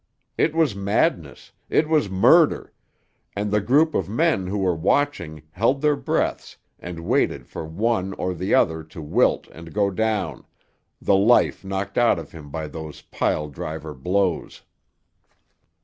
It was madness, it was murder, and the group of men who were watching held their breaths and waited for one or the other to wilt and go down, the life knocked out of him by those pile driver blows.